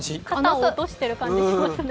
肩を落としてる感じがしますね。